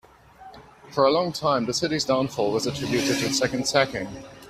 For a long time, the city's downfall was attributed to its second sacking.